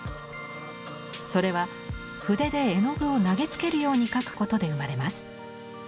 それは筆で絵の具を投げつけるように描くことで生まれます。